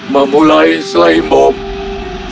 memulai slime bomb